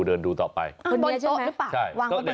เดินดูต่อไปคุณบนโต๊ะหรือเปล่า